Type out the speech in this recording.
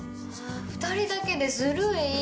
２人だけでずるい。